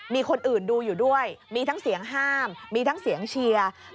มีคนอื่นดูอยู่ด้วยมีทั้งเสียงห้ามมีทั้งเสียงเชียร์